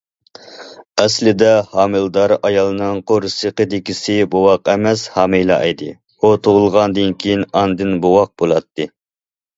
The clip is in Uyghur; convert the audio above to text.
ئەسلىدە ھامىلىدار ئايالنىڭ قورسىقىدىكىسى بوۋاق ئەمەس، ھامىلە ئىدى، ئۇ تۇغۇلغاندىن كېيىن ئاندىن بوۋاق بولاتتى.